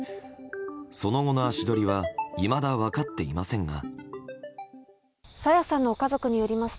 その後の足取りはいまだ分かっていませんが。